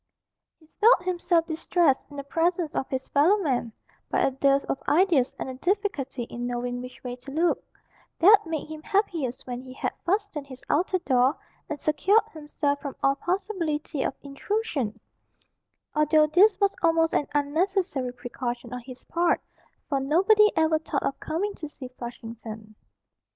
He felt himself distressed in the presence of his fellow men, by a dearth of ideas and a difficulty in knowing which way to look, that made him happiest when he had fastened his outer door, and secured himself from all possibility of intrusion although this was almost an unnecessary precaution on his part, for nobody ever thought of coming to see Flushington.